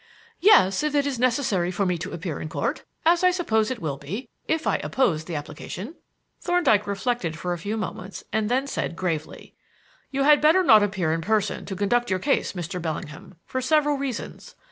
"Yes; if it is necessary for me to appear in Court, as I suppose it will be, if I oppose the application." Thorndyke reflected for a few moments and then said gravely: "You had much better not appear in person to conduct your case, Mr. Bellingham, for several reasons.